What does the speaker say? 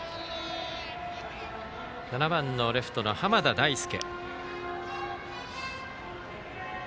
７番のレフト、濱田大輔。